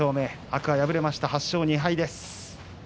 天空海敗れて８勝２敗です。